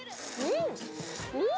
うん！